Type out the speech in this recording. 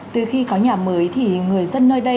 từ khi có nhà mới thì người dân nơi đây